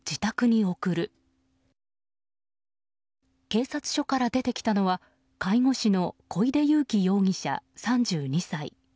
警察署から出てきたのは介護士の小出遊輝容疑者、３２歳。